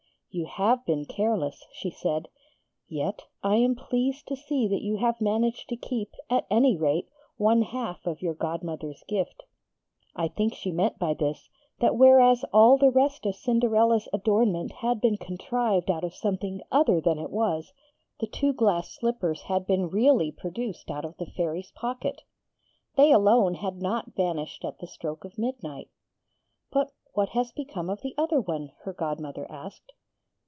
'You have been careless,' she said. 'Yet I am pleased to see that you have managed to keep, at any rate, one half of your godmother's gift. 'I think she meant by this that whereas all the rest of Cinderella's adornment had been contrived out of something other than it was, the two glass slippers had been really produced out of the Fairy's pocket. They alone had not vanished at the stroke of midnight. 'But what has become of the other one?' her godmother asked.